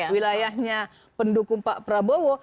wilayahnya pendukung pak prabowo